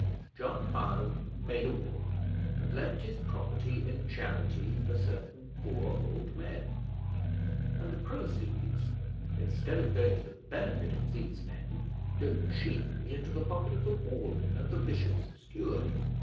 John Hiram made a will, and left his property in charity for certain poor old men, and the proceeds, instead of going to the benefit of these men, go chiefly into the pocket of the warden and the bishop's steward."